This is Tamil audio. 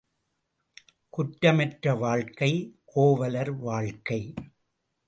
குற்றமற்ற வாழ்க்கை கோவலர் வாழ்க்கை.